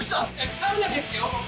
サウナですよ、ここ。